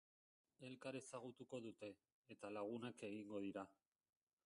Elkar ezagutuko dute, eta lagunak egingo dira.